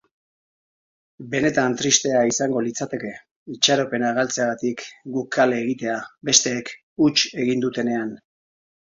Benetan tristea izango litzateke itxaropena galtzeagatik guk kale egitea besteek huts egin dutenean.